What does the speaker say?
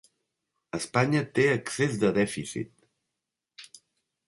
Espanya té excés de dèficit